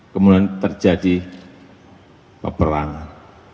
kemudian terjadi peperangan